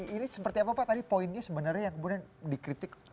ini seperti apa pak tadi poinnya sebenarnya yang kemudian dikritik